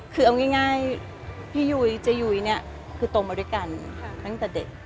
คือเอาง่ายพี่ยุ้ยเจ๊ยุ้ยเนี่ยคือโตมาด้วยกันตั้งแต่เด็ก